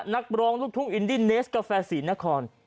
นักร้องลูกทุ่งอินดี้เนสกาแฟศรีนคร